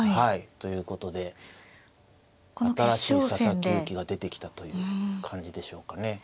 ということで新しい佐々木勇気が出てきたという感じでしょうかね。